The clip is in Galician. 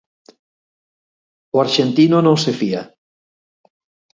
O arxentino non se fía.